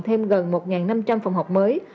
thêm gần một năm trăm linh phòng học mới